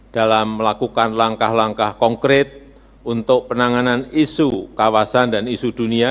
dalam melakukan langkah langkah konkret untuk penanganan isu kawasan dan isu dunia